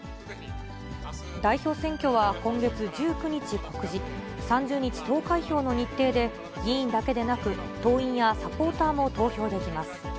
代表選挙は、今月１９日告示、３０日投開票の日程で、議員だけでなく、党員やサポーターも投票できます。